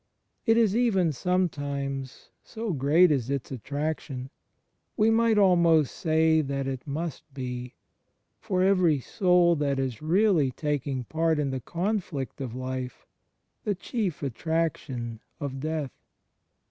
It is even some times (so great is its attraction) — we might almost say that it must be — for every soul that is really taking part in the conflict of life, the chief attraction of death.